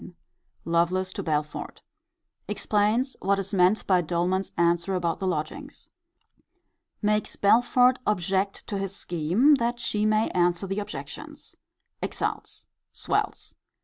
Lovelace to Belford. Explains what is meant by Doleman's answer about the lodgings. Makes Belford object to his scheme, that he may answer the objections. Exults. Swells.